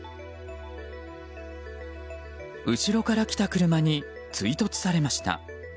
後ろから来た車に追突されました。